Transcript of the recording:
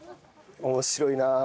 面白いなあ。